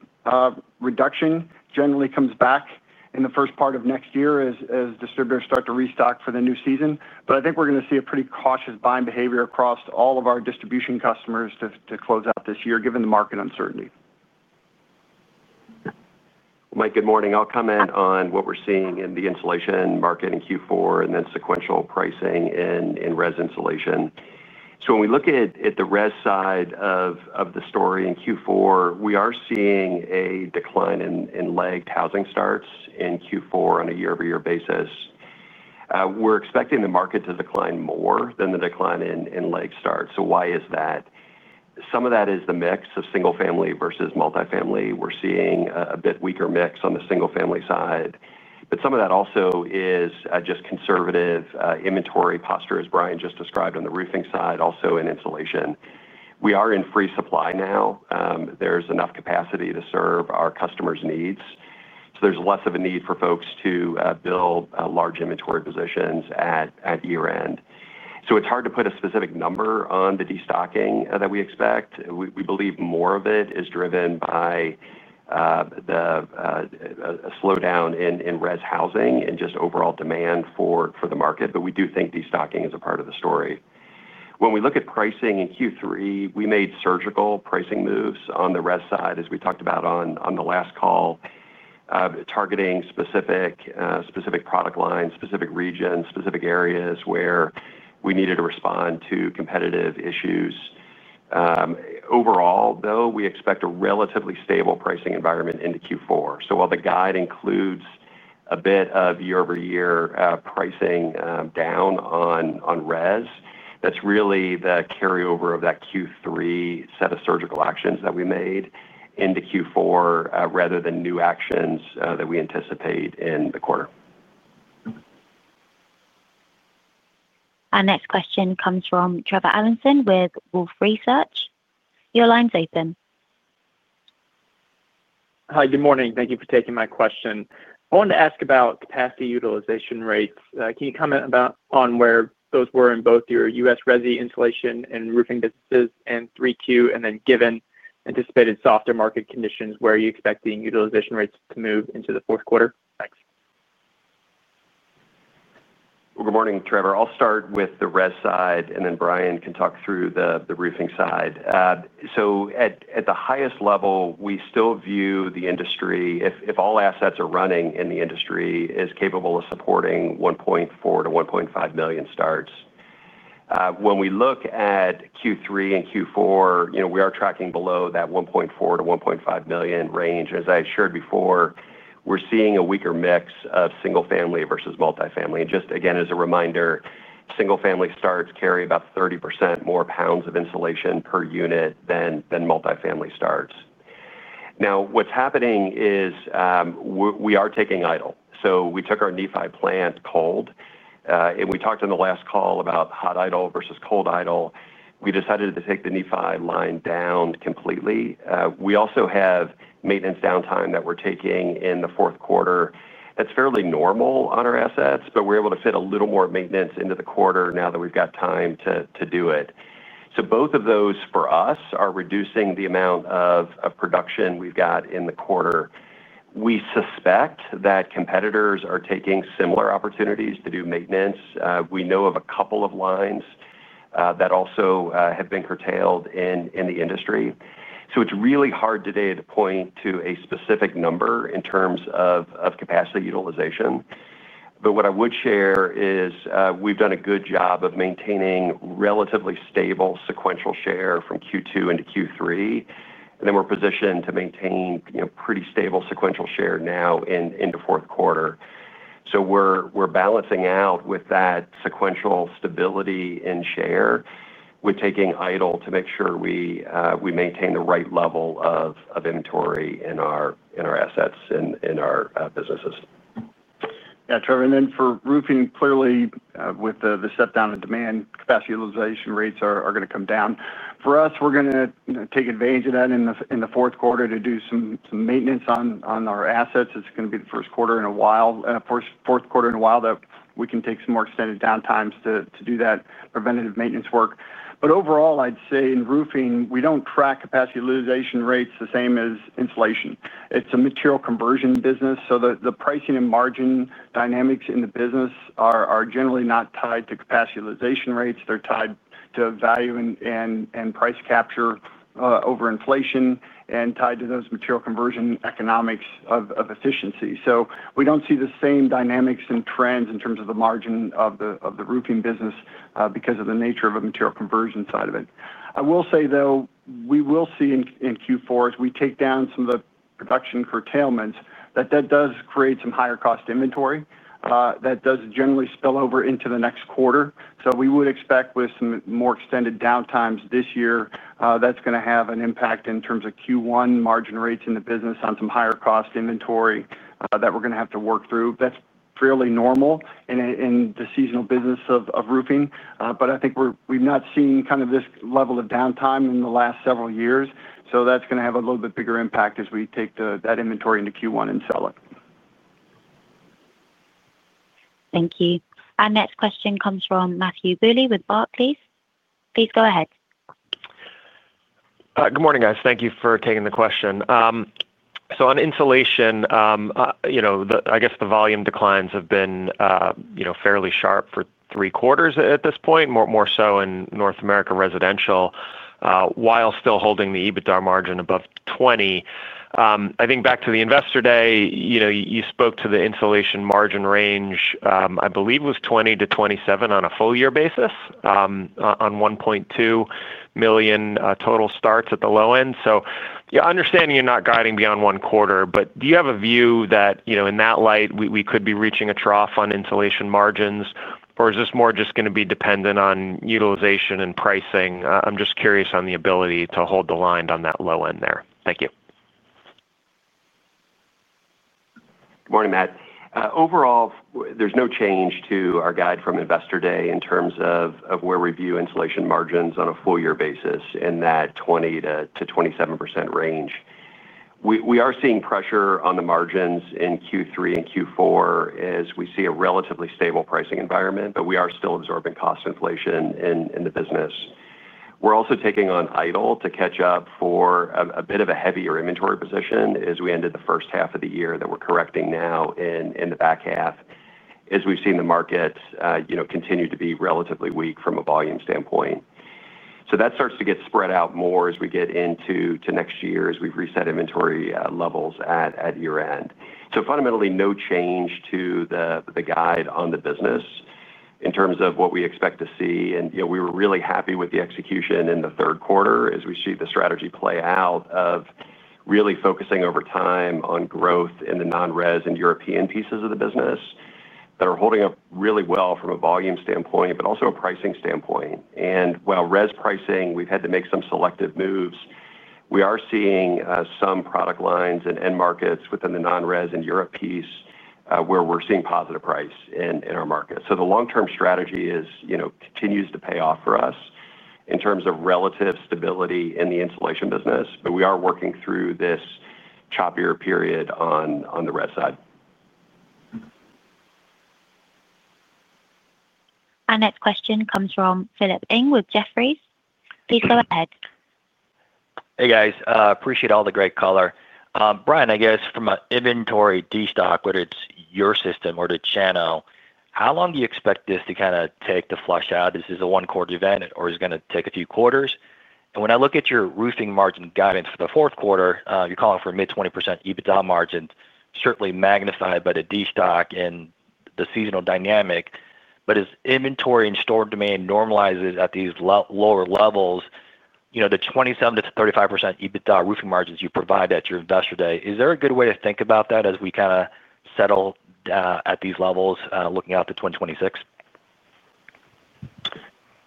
Speaker 3: reduction generally comes back in the first part of next year as distributors start to restock for the new season. I think we're going to see a pretty cautious buying behavior across all of our distribution customers to close out this year given the market uncertainty.
Speaker 4: Mike, good morning. I'll comment on what we're seeing in the insulation market in Q4 and then sequential pricing in Res insulation. When we look at the Res side of the story in Q4, we are seeing a decline in lagged housing starts in Q4 on a year-over-year basis. We're expecting the market to decline more than the decline in lagged starts. Why is that? Some of that is the mix of single-family versus multifamily. We're seeing a bit weaker mix on the single-family side. Some of that also is just conservative inventory posture, as Brian just described on the roofing side, also in insulation. We are in free supply now. There's enough capacity to serve our customers' needs. There's less of a need for folks to build large inventory positions at year-end. It's hard to put a specific number on the destocking that we expect. We believe more of it is driven by the slowdown in Res housing and just overall demand for the market. We do think destocking is a part of the story. When we look at pricing in Q3, we made surgical pricing moves on the Res side, as we talked about on the last call, targeting specific product lines, specific regions, specific areas where we needed to respond to competitive issues. Overall, we expect a relatively stable pricing environment into Q4. While the guide includes a bit of year-over-year pricing down on Res, that's really the carryover of that Q3 set of surgical actions that we made into Q4 rather than new actions that we anticipate in the quarter.
Speaker 1: Our next question comes from Trevor Allinson with Wolfe Research. Your line's open.
Speaker 9: Hi, good morning. Thank you for taking my question. I wanted to ask about capacity utilization rates. Can you comment on where those were in both your U.S. resi insulation and roofing businesses in Q3 and then given anticipated softer market conditions, where are you expecting utilization rates to move into the fourth quarter? Thanks.
Speaker 4: Good morning, Trevor. I'll start with the Res side, and then Brian can talk through the roofing side. At the highest level, we still view the industry, if all assets are running in the industry, as capable of supporting 1.4 million-1.5 million starts. When we look at Q3 and Q4, we are tracking below that 1.4 million-1.5 million range. As I shared before, we're seeing a weaker mix of single-family versus multifamily. Just again, as a reminder, single-family starts carry about 30% more pounds of insulation per unit than multifamily starts. Now, what's happening is we are taking idle. We took our Nephi plant cold. We talked on the last call about hot idle versus cold idle. We decided to take the Nephi line down completely. We also have maintenance downtime that we're taking in the fourth quarter. That's fairly normal on our assets, but we're able to fit a little more maintenance into the quarter now that we've got time to do it. Both of those for us are reducing the amount of production we've got in the quarter. We suspect that competitors are taking similar opportunities to do maintenance. We know of a couple of lines that also have been curtailed in the industry. It's really hard today to point to a specific number in terms of capacity utilization. What I would share is we've done a good job of maintaining relatively stable sequential share from Q2 into Q3. We're positioned to maintain pretty stable sequential share now into fourth quarter. We're balancing out with that sequential stability in share. We're taking idle to make sure we maintain the right level of inventory in our assets and in our businesses.
Speaker 3: Yeah, Trevor. And then for roofing, clearly, with the step down in demand, capacity utilization rates are going to come down. For us, we're going to take advantage of that in the fourth quarter to do some maintenance on our assets. It's going to be the first quarter in a while, fourth quarter in a while, that we can take some more extended downtimes to do that preventative maintenance work. Overall, I'd say in roofing, we don't track capacity utilization rates the same as insulation. It's a material conversion business. The pricing and margin dynamics in the business are generally not tied to capacity utilization rates. They're tied to value and price capture over inflation and tied to those material conversion economics of efficiency. We do not see the same dynamics and trends in terms of the margin of the roofing business because of the nature of a material conversion side of it. I will say, though, we will see in Q4, as we take down some of the production curtailments, that that does create some higher cost inventory. That does generally spill over into the next quarter. We would expect with some more extended downtimes this year, that is going to have an impact in terms of Q1 margin rates in the business on some higher cost inventory that we are going to have to work through. That is fairly normal in the seasonal business of roofing. I think we have not seen kind of this level of downtime in the last several years. That is going to have a little bit bigger impact as we take that inventory into Q1 and sell it.
Speaker 1: Thank you. Our next question comes from Matthew Bouley with Barclays. Please go ahead.
Speaker 10: Good morning, guys. Thank you for taking the question. On insulation, I guess the volume declines have been fairly sharp for three quarters at this point, more so in North America residential, while still holding the EBITDA margin above 20%. I think back to the investor day, you spoke to the insulation margin range, I believe was 20%-27% on a full year basis, on 1.2 million total starts at the low end. Understanding you're not guiding beyond one quarter, do you have a view that in that light, we could be reaching a trough on insulation margins, or is this more just going to be dependent on utilization and pricing? I'm just curious on the ability to hold the line on that low end there. Thank you.
Speaker 4: Good morning, Matt. Overall, there's no change to our guide from investor day in terms of where we view insulation margins on a full year basis in that 20%-27% range. We are seeing pressure on the margins in Q3 and Q4 as we see a relatively stable pricing environment, but we are still absorbing cost inflation in the business. We're also taking on idle to catch up for a bit of a heavier inventory position as we ended the first half of the year that we're correcting now in the back half, as we've seen the market continue to be relatively weak from a volume standpoint. That starts to get spread out more as we get into next year as we've reset inventory levels at year-end. Fundamentally, no change to the guide on the business in terms of what we expect to see. We were really happy with the execution in the third quarter as we see the strategy play out of really focusing over time on growth in the non-Res and European pieces of the business. That are holding up really well from a volume standpoint, but also a pricing standpoint. While Res pricing, we've had to make some selective moves, we are seeing some product lines and end markets within the non-Res and Europe piece where we're seeing positive price in our market. The long-term strategy continues to pay off for us in terms of relative stability in the insulation business, but we are working through this choppier period on the Res side.
Speaker 1: Our next question comes from Philip Ng with Jefferies. Please go ahead.
Speaker 11: Hey, guys. Appreciate all the great color. Brian, I guess from an inventory destock, whether it's your system or to channel, how long do you expect this to kind of take to flush out? Is this a one-quarter event, or is it going to take a few quarters? When I look at your roofing margin guidance for the fourth quarter, you're calling for a mid-20% EBITDA margin, certainly magnified by the destock and the seasonal dynamic. As inventory and storage demand normalizes at these lower levels, the 27%-35% EBITDA roofing margins you provide at your investor day, is there a good way to think about that as we kind of settle at these levels looking out to 2026?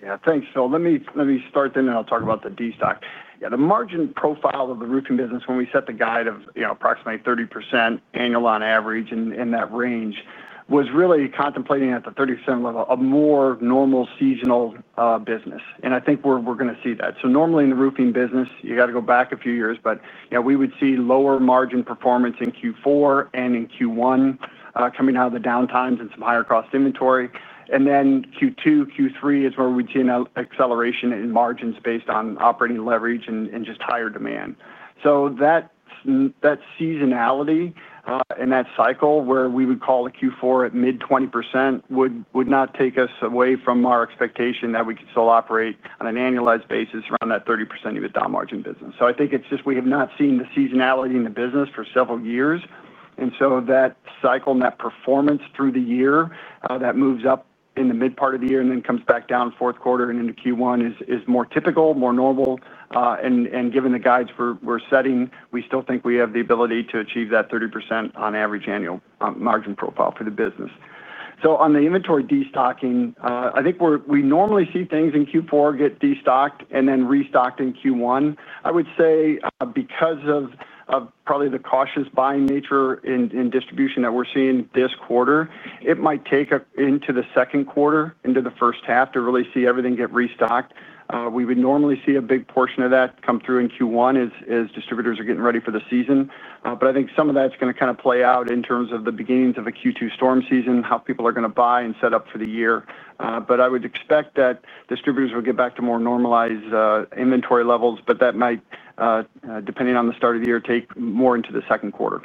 Speaker 3: Yeah, thanks, Phil. Let me start then and I'll talk about the destock. Yeah, the margin profile of the roofing business, when we set the guide of approximately 30% annual on average in that range, was really contemplating at the 30% level a more normal seasonal business. I think we're going to see that. Normally in the roofing business, you got to go back a few years, but we would see lower margin performance in Q4 and in Q1 coming out of the downtimes and some higher cost inventory. Q2, Q3 is where we'd see an acceleration in margins based on operating leverage and just higher demand. That seasonality and that cycle where we would call a Q4 at mid-20% would not take us away from our expectation that we could still operate on an annualized basis around that 30% EBITDA margin business. I think it's just we have not seen the seasonality in the business for several years. That cycle and that performance through the year that moves up in the mid part of the year and then comes back down fourth quarter and into Q1 is more typical, more normal. Given the guides we're setting, we still think we have the ability to achieve that 30% on average annual margin profile for the business. On the inventory destocking, I think we normally see things in Q4 get destocked and then restocked in Q1. I would say because of probably the cautious buying nature in distribution that we're seeing this quarter, it might take into the second quarter, into the first half to really see everything get restocked. We would normally see a big portion of that come through in Q1 as distributors are getting ready for the season. I think some of that's going to kind of play out in terms of the beginnings of a Q2 storm season, how people are going to buy and set up for the year. I would expect that distributors will get back to more normalized inventory levels, but that might, depending on the start of the year, take more into the second quarter.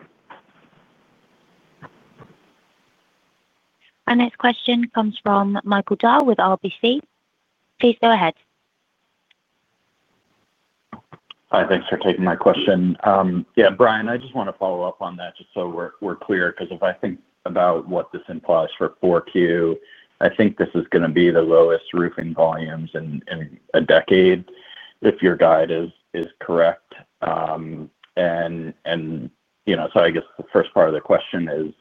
Speaker 1: Our next question comes from Michael Dahl with RBC. Please go ahead.
Speaker 12: Hi, thanks for taking my question. Yeah, Brian, I just want to follow up on that just so we're clear because if I think about what this implies for Q4, I think this is going to be the lowest roofing volumes in a decade if your guide is correct. I guess the first part of the question is,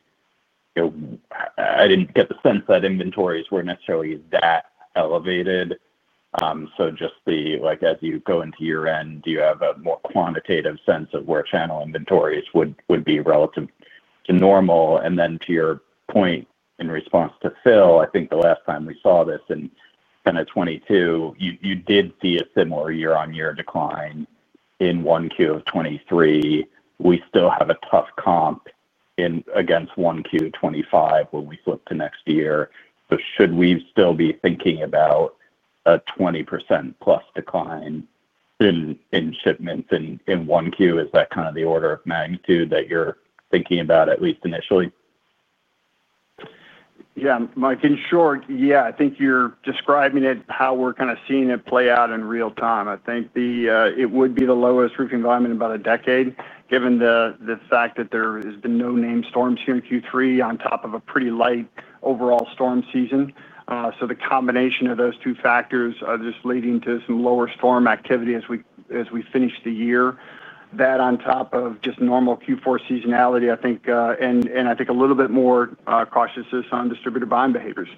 Speaker 12: I didn't get the sense that inventories were necessarily that elevated. Just as you go into year-end, do you have a more quantitative sense of where channel inventories would be relative to normal? To your point in response to Phil, I think the last time we saw this in kind of 2022, you did see a similar year-on-year decline in Q1 of 2023. We still have a tough comp against Q1 of 2025 when we flip to next year. Should we still be thinking about a 20% plus decline in shipments in one Q? Is that kind of the order of magnitude that you're thinking about, at least initially?
Speaker 3: Yeah, Mike, in short, yeah, I think you're describing it how we're kind of seeing it play out in real time. I think it would be the lowest roofing volume in about a decade, given the fact that there has been no named storms here in Q3 on top of a pretty light overall storm season. The combination of those two factors is leading to some lower storm activity as we finish the year. That on top of just normal Q4 seasonality, I think, and I think a little bit more cautiousness on distributor buying behaviors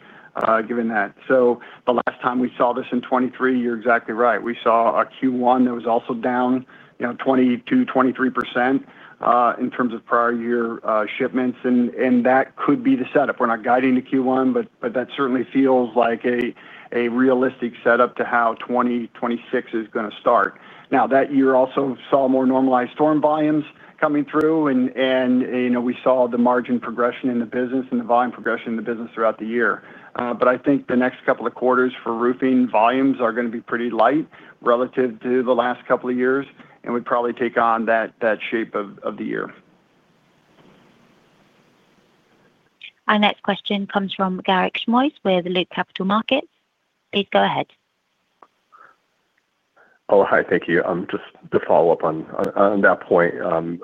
Speaker 3: given that. The last time we saw this in 2023, you're exactly right. We saw a Q1 that was also down. 22-23% in terms of prior year shipments. That could be the setup. We're not guiding to Q1, but that certainly feels like a realistic setup to how 2026 is going to start. That year also saw more normalized storm volumes coming through. We saw the margin progression in the business and the volume progression in the business throughout the year. I think the next couple of quarters for roofing volumes are going to be pretty light relative to the last couple of years. We'd probably take on that shape of the year.
Speaker 1: Our next question comes from Garik Shmois with Loop Capital Markets. Please go ahead.
Speaker 13: Oh, hi, thank you. Just to follow up on that point. On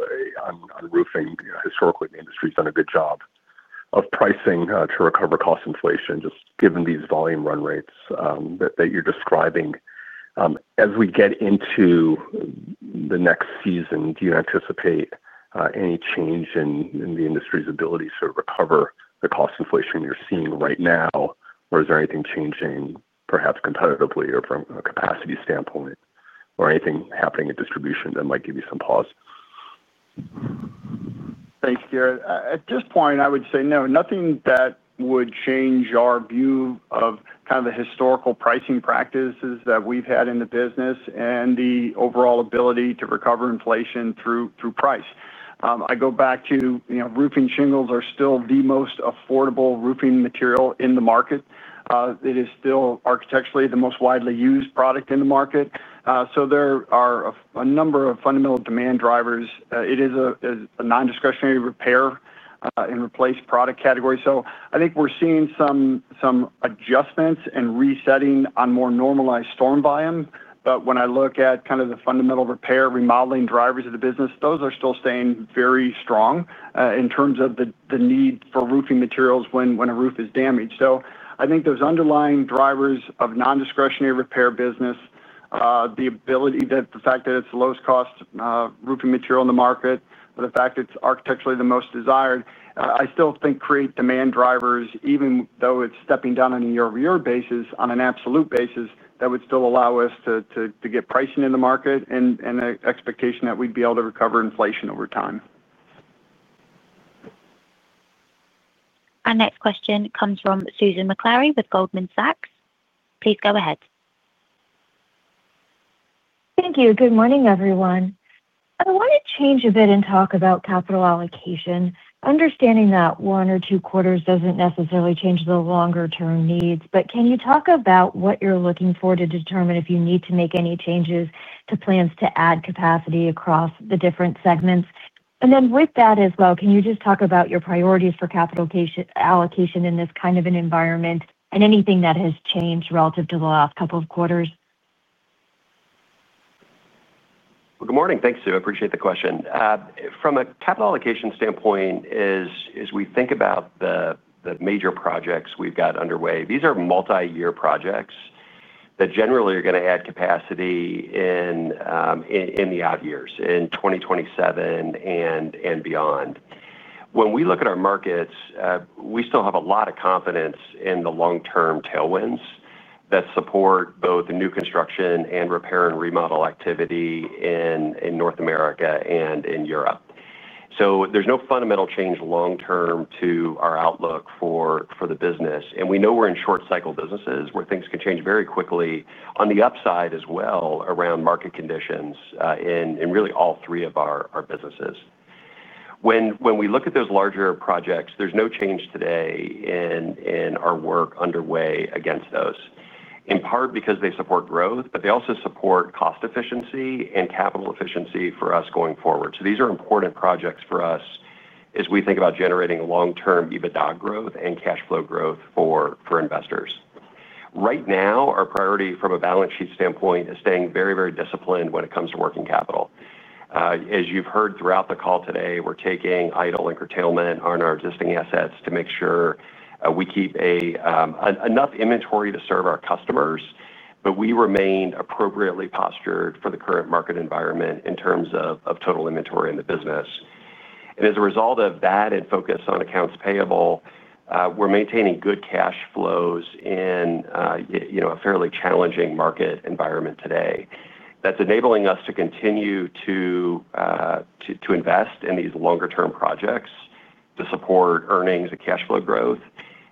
Speaker 13: roofing, historically, the industry's done a good job of pricing to recover cost inflation, just given these volume run rates that you're describing. As we get into the next season, do you anticipate any change in the industry's ability to recover the cost inflation you're seeing right now? Or is there anything changing, perhaps competitively or from a capacity standpoint, or anything happening in distribution that might give you some pause?
Speaker 3: Thanks, Garik. At this point, I would say no. Nothing that would change our view of kind of the historical pricing practices that we've had in the business and the overall ability to recover inflation through price. I go back to roofing shingles are still the most affordable roofing material in the market. It is still architecturally the most widely used product in the market. There are a number of fundamental demand drivers. It is a non-discretionary repair and replace product category. I think we're seeing some adjustments and resetting on more normalized storm volume. When I look at kind of the fundamental repair remodeling drivers of the business, those are still staying very strong in terms of the need for roofing materials when a roof is damaged. I think those underlying drivers of non-discretionary repair business. The ability that the fact that it's the lowest cost roofing material in the market, the fact it's architecturally the most desired, I still think create demand drivers, even though it's stepping down on a year-over-year basis, on an absolute basis that would still allow us to get pricing in the market and the expectation that we'd be able to recover inflation over time.
Speaker 1: Our next question comes from Susan Maklari with Goldman Sachs. Please go ahead.
Speaker 14: Thank you. Good morning, everyone. I want to change a bit and talk about capital allocation, understanding that one or two quarters does not necessarily change the longer-term needs. Can you talk about what you are looking for to determine if you need to make any changes to plans to add capacity across the different segments? With that as well, can you just talk about your priorities for capital allocation in this kind of an environment and anything that has changed relative to the last couple of quarters?
Speaker 4: Good morning. Thanks, Sue. I appreciate the question. From a capital allocation standpoint, as we think about the major projects we've got underway, these are multi-year projects that generally are going to add capacity in the odd years, in 2027 and beyond. When we look at our markets, we still have a lot of confidence in the long-term tailwinds that support both new construction and repair and remodel activity in North America and in Europe. There is no fundamental change long-term to our outlook for the business. We know we are in short-cycle businesses where things can change very quickly on the upside as well around market conditions in really all three of our businesses. When we look at those larger projects, there's no change today in our work underway against those, in part because they support growth, but they also support cost efficiency and capital efficiency for us going forward. These are important projects for us as we think about generating long-term EBITDA growth and cash flow growth for investors. Right now, our priority from a balance sheet standpoint is staying very, very disciplined when it comes to working capital. As you've heard throughout the call today, we're taking idle and curtailment on our existing assets to make sure we keep enough inventory to serve our customers, but we remain appropriately postured for the current market environment in terms of total inventory in the business. As a result of that and focus on accounts payable, we're maintaining good cash flows in a fairly challenging market environment today. That's enabling us to continue to invest in these longer-term projects to support earnings and cash flow growth.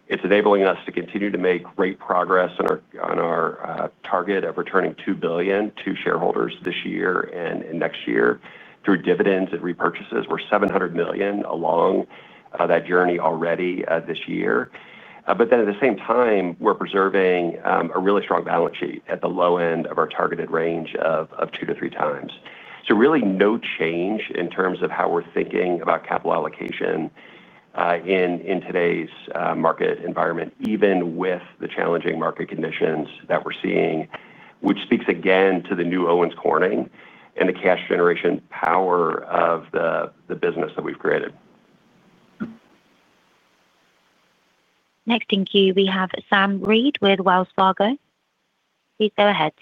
Speaker 4: It's enabling us to continue to make great progress on our target of returning $2 billion to shareholders this year and next year through dividends and repurchases. We're $700 million along that journey already this year. At the same time, we're preserving a really strong balance sheet at the low end of our targeted range of two to three times. There is really no change in terms of how we're thinking about capital allocation. In today's market environment, even with the challenging market conditions that we're seeing, which speaks again to the new Owens Corning and the cash generation power of the business that we've created.
Speaker 1: Next in queue, we have Sam Reed with Wells Fargo. Please go ahead.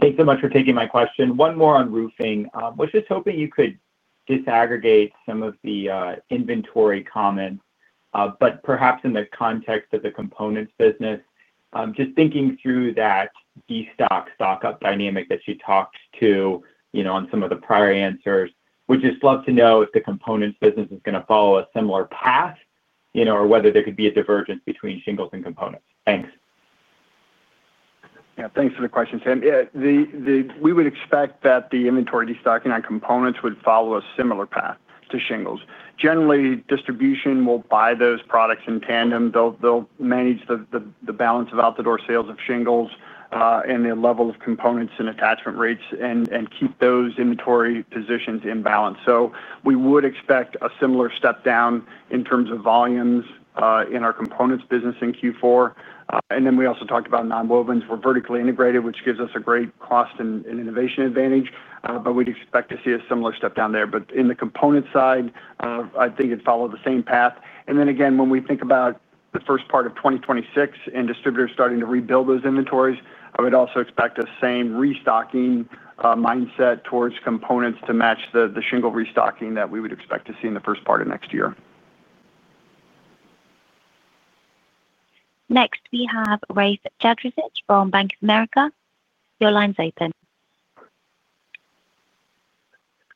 Speaker 15: Thanks so much for taking my question. One more on roofing. I was just hoping you could disaggregate some of the inventory comments, but perhaps in the context of the components business. Just thinking through that destock, stock up dynamic that you talked to on some of the prior answers, would just love to know if the components business is going to follow a similar path or whether there could be a divergence between shingles and components. Thanks.
Speaker 3: Yeah, thanks for the question, Sam. We would expect that the inventory destocking on components would follow a similar path to shingles. Generally, distribution will buy those products in tandem. They'll manage the balance of out-the-door sales of shingles and the level of components and attachment rates and keep those inventory positions in balance. We would expect a similar step down in terms of volumes in our components business in Q4. We also talked about non-wovens. We're vertically integrated, which gives us a great cost and innovation advantage, but we'd expect to see a similar step down there. In the component side, I think it'd follow the same path. When we think about the first part of 2026 and distributors starting to rebuild those inventories, I would also expect the same restocking mindset towards components to match the shingle restocking that we would expect to see in the first part of next year.
Speaker 1: Next, we have Rafe Jadrosich from Bank of America. Your line's open.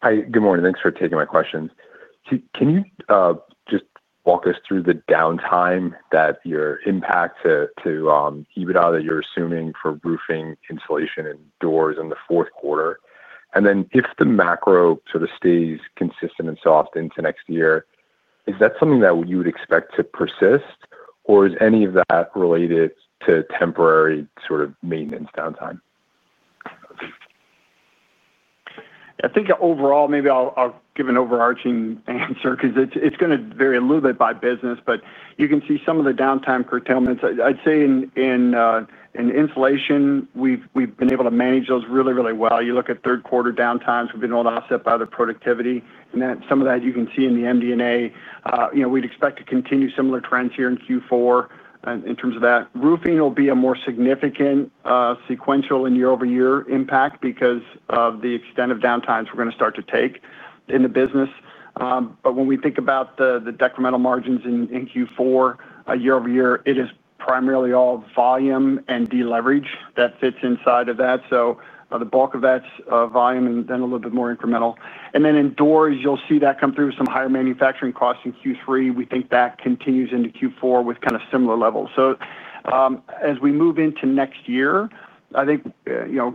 Speaker 16: Hi, good morning. Thanks for taking my questions. Can you just walk us through the downtime that your impact to EBITDA that you're assuming for roofing, insulation, and doors in the fourth quarter? If the macro sort of stays consistent and soft into next year, is that something that you would expect to persist, or is any of that related to temporary sort of maintenance downtime?
Speaker 3: I think overall, maybe I'll give an overarching answer because it's going to vary a little bit by business, but you can see some of the downtime curtailments. I'd say in insulation, we've been able to manage those really, really well. You look at third-quarter downtimes, we've been all offset by the productivity. And then some of that you can see in the MD&A. We'd expect to continue similar trends here in Q4 in terms of that. Roofing will be a more significant sequential and year-over-year impact because of the extent of downtimes we're going to start to take in the business. When we think about the decremental margins in Q4, year-over-year, it is primarily all volume and deleverage that fits inside of that. The bulk of that's volume and then a little bit more incremental. In doors, you'll see that come through some higher manufacturing costs in Q3. We think that continues into Q4 with kind of similar levels. As we move into next year, I think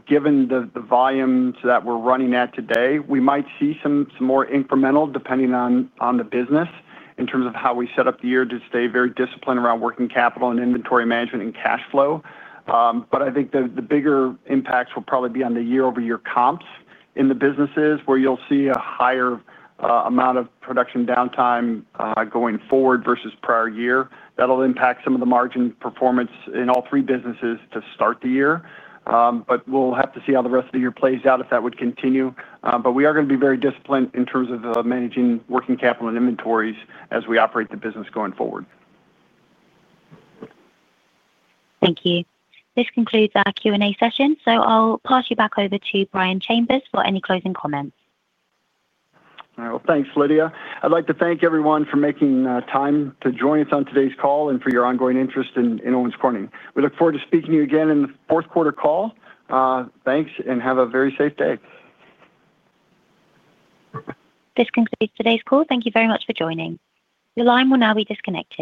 Speaker 3: given the volumes that we're running at today, we might see some more incremental depending on the business in terms of how we set up the year to stay very disciplined around working capital and inventory management and cash flow. I think the bigger impacts will probably be on the year-over-year comps in the businesses where you'll see a higher amount of production downtime going forward versus prior year. That'll impact some of the margin performance in all three businesses to start the year. We'll have to see how the rest of the year plays out if that would continue. We are going to be very disciplined in terms of managing working capital and inventories as we operate the business going forward.
Speaker 1: Thank you. This concludes our Q&A session. I'll pass you back over to Brian Chambers for any closing comments.
Speaker 3: All right. Thanks, Lydia. I'd like to thank everyone for making time to join us on today's call and for your ongoing interest in Owens Corning. We look forward to speaking to you again in the fourth-quarter call. Thanks, and have a very safe day.
Speaker 1: This concludes today's call. Thank you very much for joining. Your line will now be disconnected.